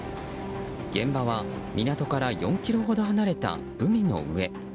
現場は港から４ｋｍほど離れた海の上。